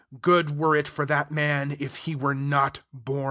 good were it for that man if he were not bom.''